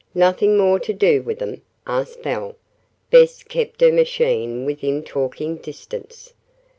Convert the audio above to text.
"Nothing more to do with them?" asked Belle. Bess kept her machine within talking distance.